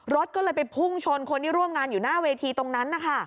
รถก็เลยไปพุ่งชนคนที่ร่วมงานอยู่หน้าเวทีตรงนั้นนะคะ